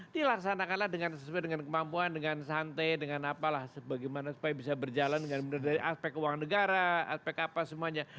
dilaksanakanlah dengan sesuai dengan kemampuan dengan santai dengan apalah bagaimana supaya bisa berjalan dengan benar dari aspek keuangan negara aspek apa semuanya